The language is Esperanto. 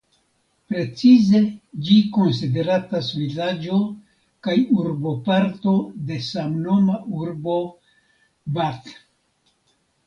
Precize ĝi konsideratas vilaĝo kaj urboparto de samnoma urbo "Bath".